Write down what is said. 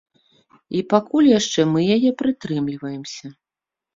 І пакуль яшчэ мы яе прытрымліваемся.